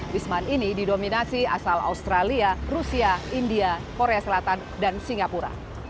wisman ini didominasi asal australia rusia india korea selatan dan singapura